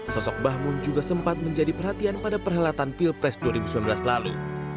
sosok bahmun juga sempat menjadi perhatian pada perhelatan pilpres dua ribu sembilan belas lalu